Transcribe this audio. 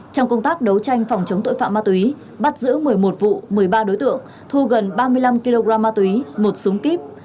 trong công tác đấu tranh phòng chống tội phạm ma túy bắt giữ một mươi một vụ một mươi ba đối tượng thu gần ba mươi năm kg ma túy một súng kíp